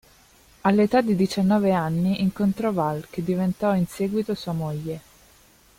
All'età di diciannove anni incontrò Val che diventò in seguito sua moglie.